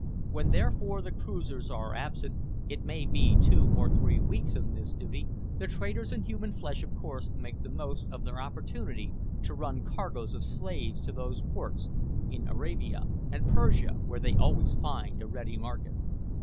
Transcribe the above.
When therefore the cruisers are absent it may be two or three weeks on this duty, the traders in human flesh of course make the most of their opportunity to run cargoes of slaves to those ports in Arabia and Persia where they always find a ready market.